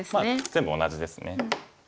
全部同じですね。